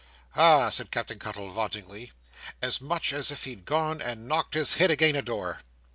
Ah!" said Captain Cuttle, vauntingly, "as much as if he'd gone and knocked his head again a door!"